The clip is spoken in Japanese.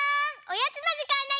おやつのじかんだよ！